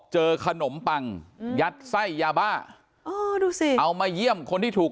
ขนมปังยัดไส้ยาบ้าอ๋อดูสิเอามาเยี่ยมคนที่ถูก